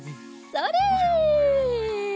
それ！